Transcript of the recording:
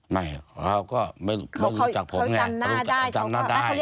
ไม่เราก็ไม่รู้จากผมเนี่ยแต่เขาเขาจำได้